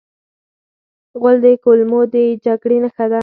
غول د کولمو د جګړې نښه ده.